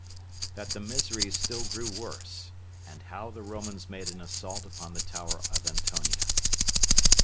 That The Miseries Still Grew Worse; And How The Romans Made An Assault Upon The Tower Of Antonia.